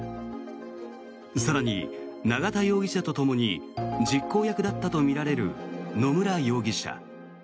更に永田容疑者とともに実行役だったとみられる野村容疑者。